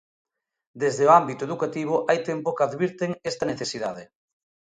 Desde o ámbito educativo hai tempo que advirten esta necesidade.